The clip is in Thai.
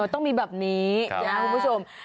ต้องมีแบบนี้ครับนะครับคุณผู้ชม